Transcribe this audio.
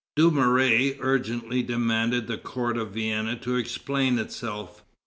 Dumouriez urgently demanded the court of Vienna to explain itself.